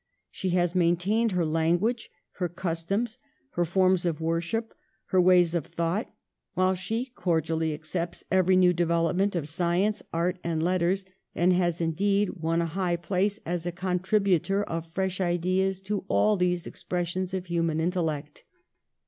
She has maintained her language, her customs, her forms of worship, her ways of thought ; while she cordially accepts every new development of science, art, and letters, and has indeed won a high place as a contributor of fresh ideas to all these expressions of human intellect.